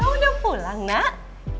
kau udah pulang nak